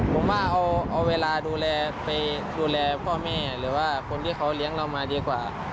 ผมว่าเอาเวลาดูแลไปดูแลพ่อแม่หรือว่าคนที่เขาเลี้ยงเรามาดีกว่า